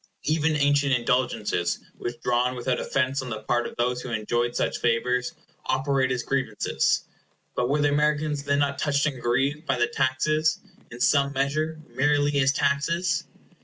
Even ancient indulgences, withdrawn without offence on the part of those who enjoyed such favors, operate as grievances. But were the Americans then not touched and grieved by the taxes, in some measure, merely as taxes?